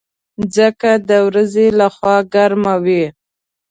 مځکه د ورځې له خوا ګرمه وي.